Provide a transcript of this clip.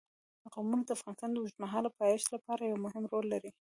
قومونه د افغانستان د اوږدمهاله پایښت لپاره یو مهم رول لري.